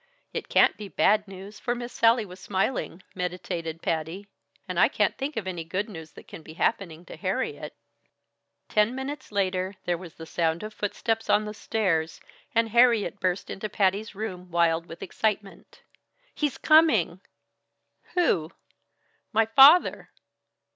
"It can't be bad news, for Miss Sallie was smiling " meditated Patty. "And I can't think of any good news that can be happening to Harriet." Ten minutes later there was the sound of footsteps on the stairs, and Harriet burst into Patty's room wild with excitement. "He's coming!" "Who?" "My father."